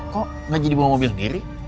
kok gak jadi bawa mobil sendiri